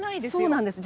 そうなんです。